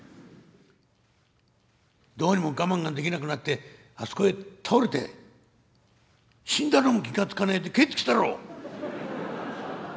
「どうにも我慢ができなくなってあそこで倒れて死んだのも気が付かねえで帰ってきたろ？」。